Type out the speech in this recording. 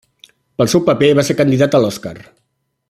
Pel seu paper va ser candidat a l'Oscar.